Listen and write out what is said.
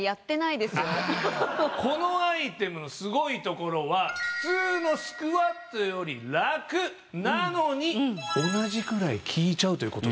このアイテムのすごいところは普通のスクワットより楽なのに同じぐらい効いちゃうということなの。